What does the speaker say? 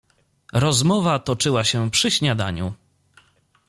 "Rozmowa toczyła się przy śniadaniu."